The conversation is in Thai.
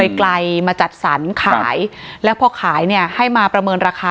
ไกลไกลมาจัดสรรขายแล้วพอขายเนี่ยให้มาประเมินราคา